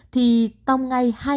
thì tông ngay